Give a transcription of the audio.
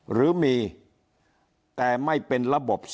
หรือมีแต่ไม่เป็นระบบ